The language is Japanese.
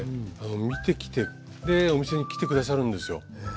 見てきてでお店に来て下さるんですよ。